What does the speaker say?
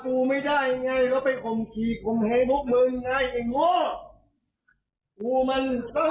กูมันต้องสุดยอดของนักฆ่าเว้ยเอาข้าอย่างเดียวเว้ย